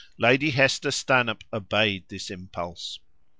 Lady Hester Stanhope obeyed this impulse.